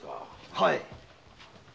はい。